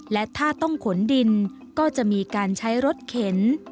และถ้าต้องขนดินก็จะมีการใช้รถเข็น